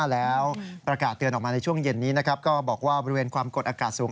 แล้วประกาศเตือนออกมาในช่วงเย็นนี้นะครับก็บอกว่าบริเวณความกดอากาศสูง